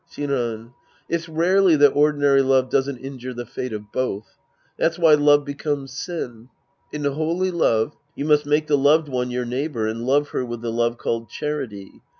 Shinran. It's rarely that ordinary love doesn't injure the fate of both. That's why love becomes sin. In holy love, you must make the loved one your neighbor and love her with the love called charity.